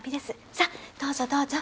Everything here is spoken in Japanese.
さあどうぞどうぞ。